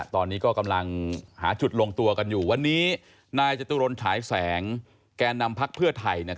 ตอนนี้ก็กำลังหาจุดลงตัวกันอยู่วันนี้นายจตุรนฉายแสงแก่นำพักเพื่อไทย